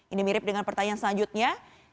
ini mirip dengan pertanyaan selanjutnya